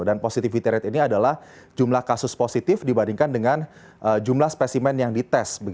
positivity rate ini adalah jumlah kasus positif dibandingkan dengan jumlah spesimen yang dites